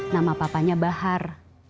nama papanya bahar